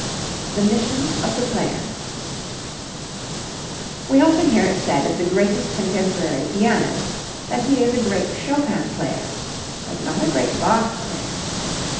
The Mission of the Player. We often hear it said of the greatest contemporary pianist that he is a great Chopin player, but not a great Bach player.